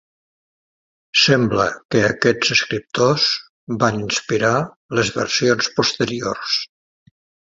Sembla que aquests escriptors van inspirar les versions posteriors.